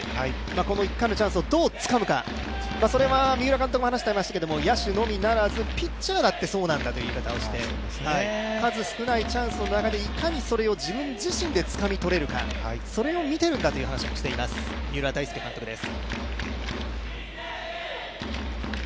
この１回のチャンスをどうつかむかそれは三浦監督も話していましたけれども、野手のみならずピッチャーだってそうなんだという言い方をして数少ないチャンスの中で、いかにそれを自分自身でつかみ取れるのか、それを見ているんだという話もしています、三浦大輔監督です。